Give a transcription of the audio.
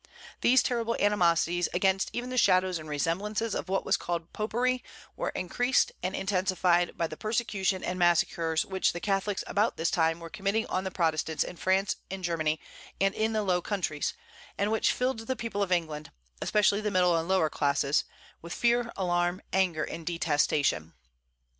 These terrible animosities against even the shadows and resemblances of what was called Popery were increased and intensified by the persecution and massacres which the Catholics about this time were committing on the Protestants in France and Germany and the Low Countries, and which filled the people of England, especially the middle and lower classes, with fear, alarm, anger, and detestation.